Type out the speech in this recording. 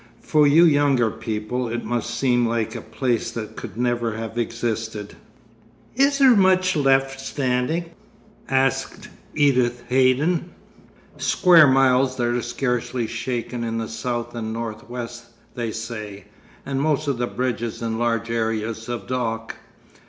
For you younger people it must seem like a place that could never have existed.' 'Is there much left standing?' asked Edith Haydon. 'Square miles that are scarcely shaken in the south and north west, they say; and most of the bridges and large areas of dock.